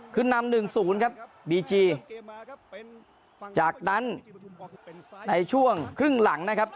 ขึ้นนำหนึ่งศูนย์ครับบีจีจากนั้นในช่วงครึ่งหลังนะครับ